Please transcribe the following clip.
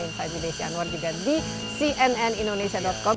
insight with desi anwar juga di cnnindonesia com